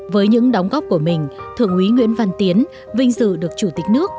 với những đóng góp của mình thượng úy nguyễn văn tiến vinh dự được chủ tịch nước